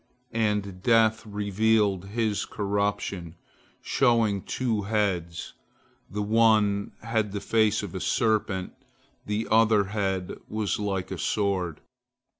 And Death revealed his corruption, showing two heads, the one had the face of a serpent, the other head was like a sword.